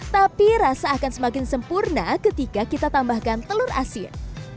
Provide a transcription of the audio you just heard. tapi rasa akan semakin sempurna ketika kita tambahkan telur asin